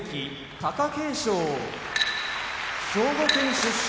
・貴景勝兵庫県出身